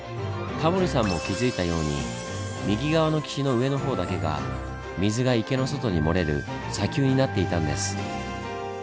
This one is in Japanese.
タモリさんも気付いたように右側の岸の上の方だけが水が池の外に漏れる砂丘になっていたんです。